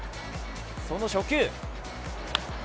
その初球。